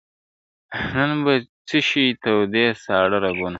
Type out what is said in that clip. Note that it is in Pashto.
نن په څشي تودوې ساړه رګونه !.